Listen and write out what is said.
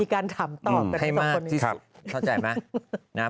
ที่การถามตอบกันให้มากที่สุดเข้าใจไหม